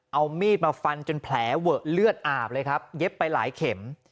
เอามีดมาฟันจนแผลเวอะเลือดอาบเลยครับเย็บไปหลายเข็ม